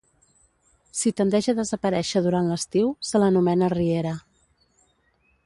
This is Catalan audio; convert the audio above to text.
Si tendeix a desaparèixer durant l'estiu, se l'anomena riera.